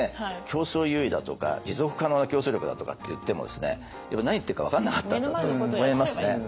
競争優位だとか持続可能な競争力だとかって言っても何言ってるか分からなかったんだと思いますね。